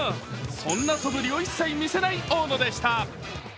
そんなそぶりを一切見せない大野でした。